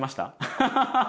ハハハハッ！